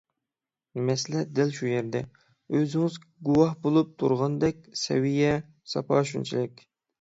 مەسىلە دەل شۇ يەردە. ئۆزىڭىز گۇۋاھ بولۇپ تۇرغاندەك سەۋىيە - ساپا شۇنچىلىك.